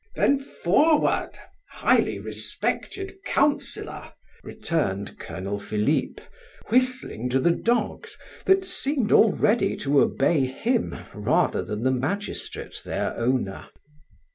"Then forward! highly respected Councillor," returned Colonel Philip, whistling to the dogs, that seemed already to obey him rather than the magistrate their owner.